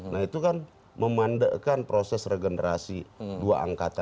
nah itu kan memandekan proses regenerasi dua angka tadi